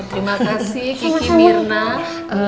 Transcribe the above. terima kasih kiki mirna